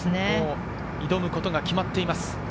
挑むことが決まっています。